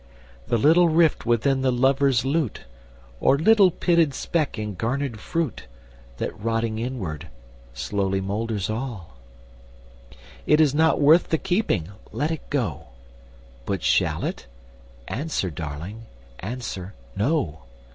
'The little rift within the lover's lute Or little pitted speck in garnered fruit, That rotting inward slowly moulders all. 'It is not worth the keeping: let it go: But shall it? answer, darling, answer, no.